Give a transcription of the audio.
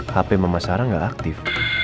hp mama sarah gak aktif